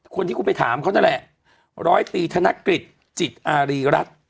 คนที่คุณไปถามเขานั่นแหละร้อยตีธนกฤษจิตอารีรัฐ